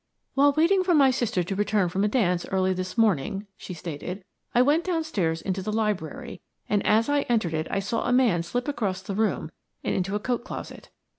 "While waiting for my sister to return from a dance early this morning," she stated, "I went downstairs into the library, and as I entered it I saw a man slip across the room and into a coat closet.